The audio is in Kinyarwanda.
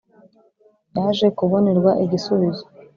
Yaje kubonerwa igisubizo.